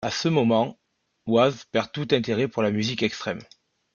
À ce moment, Was perd tout intérêt pour la musique extrême.